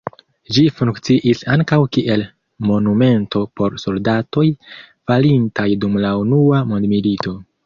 Ĝi funkciis ankaŭ kiel monumento por soldatoj falintaj dum la Unua mondmilito.